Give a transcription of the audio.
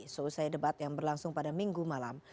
selesai debat yang berlangsung pada minggu malam